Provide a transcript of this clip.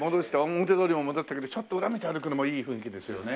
表通りも戻ったけどちょっと裏見て歩くのもいい雰囲気ですよね。